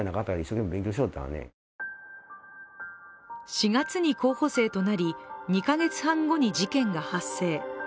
４月に候補生となり、２か月半後に事件が発生。